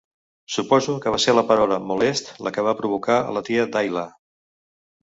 Supose que va ser la paraula "molest" la que va provocar a la Tia Dahila.